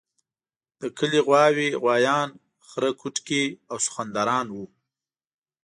د کلي غواوې، غوایان، خره کوټکي او سخوندران وو.